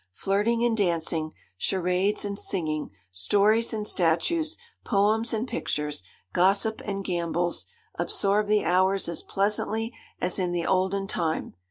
Flirting and dancing, charades and singing, stories and statues, poems and pictures, gossip and gambols, absorbed the hours as pleasantly as in the olden time.